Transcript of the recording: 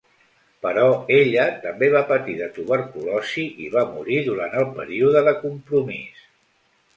Però ella també va patir de tuberculosi i va morir durant el període de compromís.